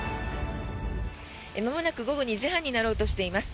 まもなく午後２時半になろうとしています